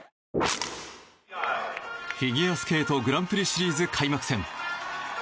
フィギュアスケートグランプリシリーズ開幕戦。